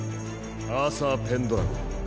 アーサー・ペンドラゴン。